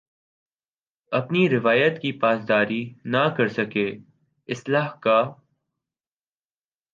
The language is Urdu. اپنی روایت کی پاسداری نہ کر سکے اصلاح کا